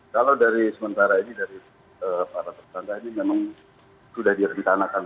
kalau dari sementara ini dari para tersangka ini memang sudah direncanakan